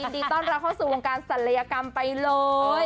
ดีต้อนรับเข้าสู่วงการศัลยกรรมไปเลย